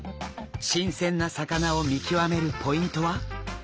新鮮な魚を見極めるポイントは。